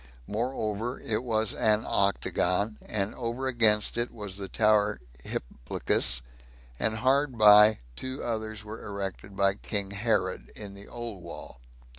Moreover, it was an octagon, and over against it was the tower Hipplicus, and hard by two others were erected by king Herod, in the old wall.